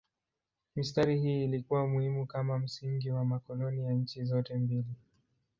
Mistari hii ilikuwa muhimu kama msingi wa makoloni ya nchi zote mbili.